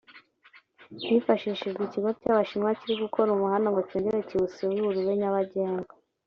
hifashishijwe ikigo cy’Abashinwa kiri gukora umuhanda ngo cyongere kuwusibura ube nyabagendwa